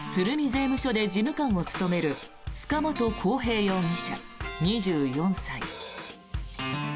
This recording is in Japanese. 税務署で事務官を務める塚本晃平容疑者、２４歳。